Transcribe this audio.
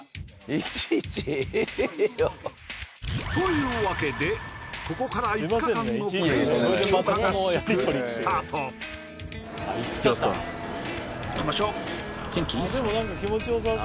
いちいちええよというわけでここから５日間のクレイジー強化合宿スタート行きましょう天気いいっすね